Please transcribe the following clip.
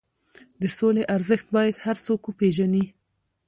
د سولې ارزښت باید هر څوک وپېژني.